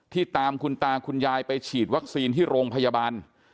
ตามคุณตาคุณยายไปฉีดวัคซีนที่โรงพยาบาล